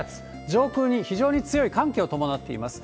上空に非常に強い寒気を伴っています。